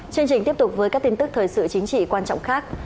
chương trình tiếp tục với các tin tức thời sự chính trị quan trọng khác